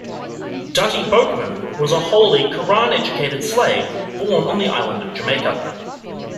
Dutty Boukman was a Holy Koran-educated slave born on the island of Jamaica.